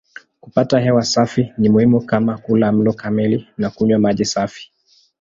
Kupata hewa safi ni muhimu kama kula mlo kamili na kunywa maji safi.